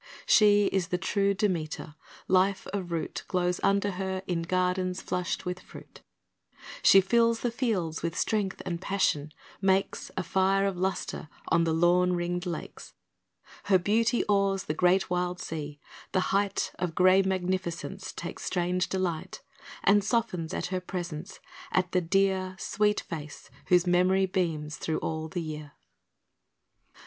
She is the true Demeter. Life of root Glows under her in gardens flushed with fruit; She fills the fields with strength and passion makes A fire of lustre on the lawn ringed lakes; Her beauty awes the great wild sea; the height Of grey magnificence takes strange delight And softens at her presence, at the dear Sweet face whose memory beams through all the year.